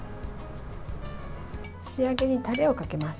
仕上げにタレをかけます。